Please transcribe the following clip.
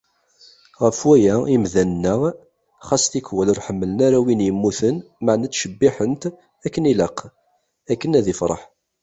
Ɣef waya, imdanen–a xas tikwal ur ḥemmlen ara win yemmuten, meɛna ttcebbiḥen-t akken ilaq, akken ad ifreḥ.